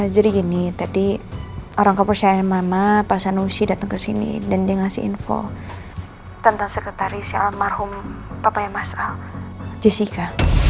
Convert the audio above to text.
jadi gini tadi orang kepersyaratan mama pak sanusi datang kesini dan dia ngasih info tentang sekretaris si almarhum papa yang masal jessica